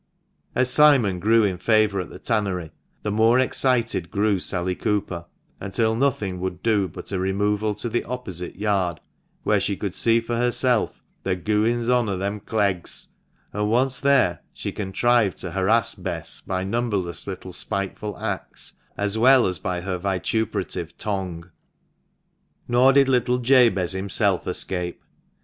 As Simon grew in favour at the tannery, the more excited grew Sally Cooper, until nothing would do but a removal to the opposite yard, where she could see for herself the " gooin's on o' them Cleggs ;" and once there, she contrived to harass Bess by numberless little spiteful acts, as well as by her vituperative tongue. Nor did little Jabez himself escape.